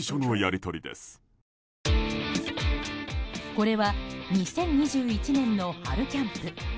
これは２０２１年の春キャンプ。